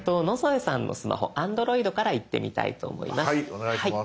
お願いします。